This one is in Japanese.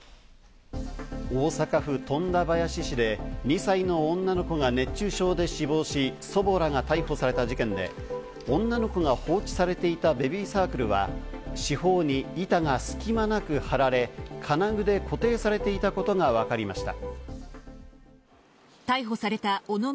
大阪府富田林市で２歳の女の子が熱中症で死亡し、祖母らが逮捕された事件で、女の子が放置されていたベビーサークルは、四方に板が隙間なくはられ、金具で固定されていたことがわかりました。